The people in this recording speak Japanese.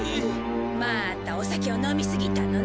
またお酒を飲みすぎたのね。